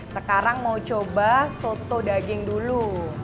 sekarang mau coba soto daging dulu